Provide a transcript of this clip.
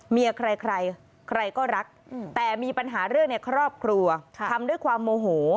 เมียใครใครก็รักแต่มีปัญหาเรื่องในครอบครัวทำด้วยความโมโห